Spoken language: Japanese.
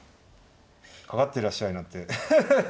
かかってらっしゃいなんてアッハッハ。